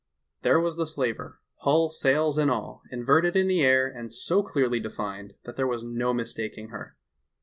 "There was the slaver, hull, sails and all, inverted in the air, and so clearly defined that there was no mistaking her.